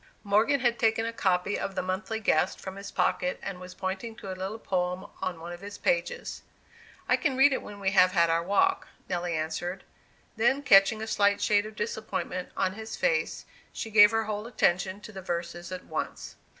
Morgan had taken a copy of the Monthly Guest from his pocket and was pointing to a little poem on one of its pages. "I can read it when we have had our walk," Nelly answered. Then catching a slight shade of disappointment on his face, she gave her whole attention to the verses at once.